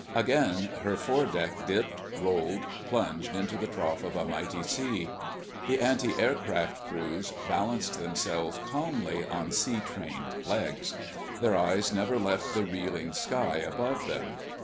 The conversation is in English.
Again her foredeck dipped, rolled, plunged into the trough of a mighty sea. The antiaircraft crews balanced themselves calmly on sea trained legs. Their eyes never left the reeling sky above them.